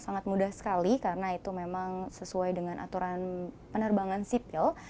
sangat mudah sekali karena itu memang sesuai dengan aturan penerbangan sipil